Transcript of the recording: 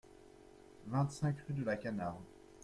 vingt-cinq rue de la Canarde